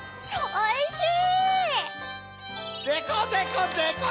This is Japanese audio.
おいしい！